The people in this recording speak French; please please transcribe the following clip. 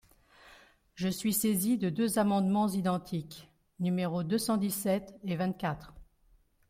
Je suis saisie de deux amendements identiques, numéros deux cent dix-sept et vingt-quatre.